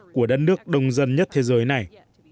của đất nước đông dân nhất thế giới này